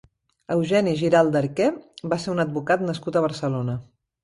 Eugeni Giral i d'Arquer va ser un advocat nascut a Barcelona.